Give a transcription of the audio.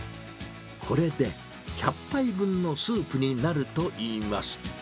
これで１００杯分のスープになるといいます。